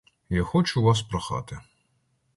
Я хочу вас прохати.